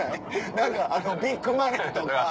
何かビッグマネーとか。